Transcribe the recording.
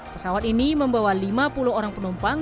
pesawat ini membawa lima puluh orang penumpang